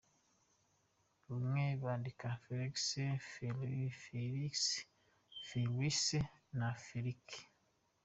Bamwe bandika Phelix, Feliu, Félix, Felice, Feliks.